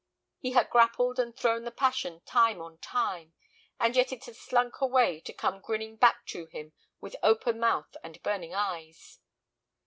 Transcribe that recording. He had grappled and thrown the passion time on time, and yet it had slunk away to come grinning back to him with open mouth and burning eyes.